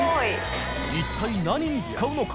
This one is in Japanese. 祕貘何に使うのか？